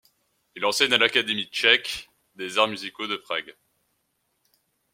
Il enseigne à l'Académie tchèque des arts musicaux de Prague.